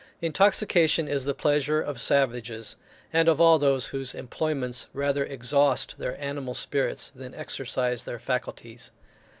Intoxication is the pleasure of savages, and of all those whose employments rather exhaust their animal spirits than exercise their faculties.